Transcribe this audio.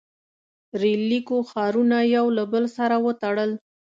• ریل لیکو ښارونه یو له بل سره وتړل.